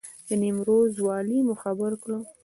د نیمروز والي مو خبر کړ.